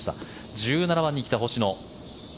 １７番に来た星野。